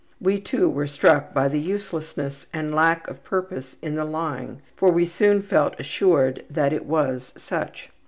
We, too, were struck by the uselessness and lack of purpose in the lying for we soon felt assured that it was such.